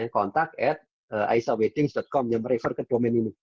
contak at aisyahweddings com yang merefer ke domain ini